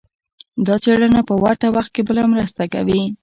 دا څېړنه په ورته وخت کې بله مرسته کوي.